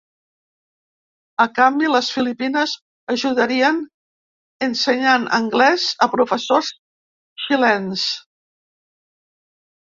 A canvi, les Filipines ajudarien ensenyant anglès a professors xilens.